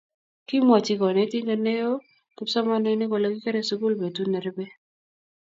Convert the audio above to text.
Kimwochi konetinte nao kipsomaninik kole kikere sukul betut ne rupei.